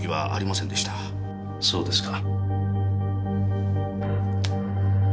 そうですか。